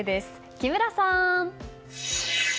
木村さん。